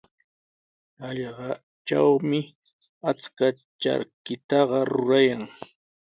Hallqatrawmi achka charkitaqa rurayan.